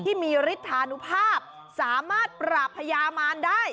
ที่มีฤทธานุภาพสามารถปราบพญามารได้